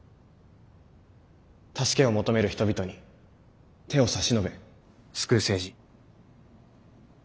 助けを求める人々に手を差し伸べ救う政治。